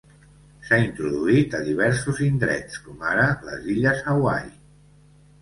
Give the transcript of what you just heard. S'ha introduït a diversos indrets, com ara les illes Hawaii.